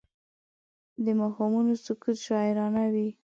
د ماښامونو سکوت شاعرانه وي